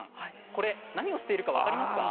これ何をしているか分かりますか。